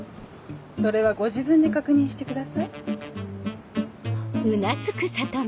それはご自分で確認してください。